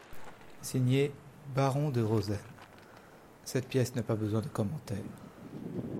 »Signé Baron DE ROSEN.» Cette pièce n'a pas besoin de commentaire.